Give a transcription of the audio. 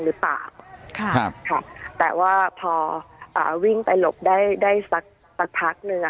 หรือปากค่ะแต่ว่าพออ่าวิ่งไปหลบได้ได้สักสักพักนึง